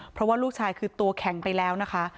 เพราะว่าลูกชายคือตัวแข็งไปแล้วนะคะ